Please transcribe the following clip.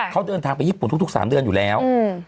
เขาเดินทางไปญี่ปุ่นทุก๓เดือนอยู่แล้ว